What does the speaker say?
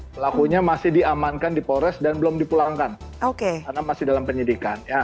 pelakunya masih diamankan di polres dan belum dipulangkan karena masih dalam penyidikan